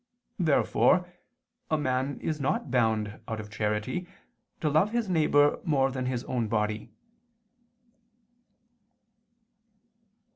Therefore a man is not bound, out of charity, to love his neighbor more than his own body.